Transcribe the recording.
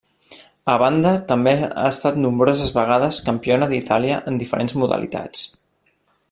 A banda també ha estat nombroses vegades campiona d'Itàlia en diferents modalitats.